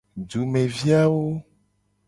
Dumevi awo.